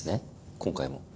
今回も。